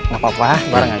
gapapa bareng aja